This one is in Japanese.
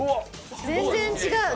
全然違う。